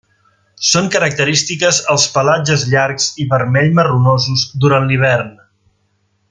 Són característiques els pelatges llargs i vermell marronosos durant l'hivern.